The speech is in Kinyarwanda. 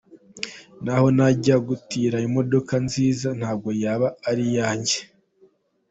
Naho najya gutira imodoka nziza ntabwo yaba ari iyanjya.